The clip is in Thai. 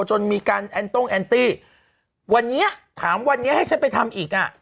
จนมีการแอนโต้งแอนตี้วันนี้ถามวันนี้ให้ฉันไปทำอีกอ่ะ